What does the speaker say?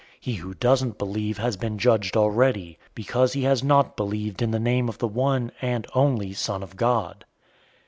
He who doesn't believe has been judged already, because he has not believed in the name of the one and only Son of God.